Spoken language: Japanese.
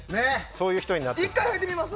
そういう人になっていきます。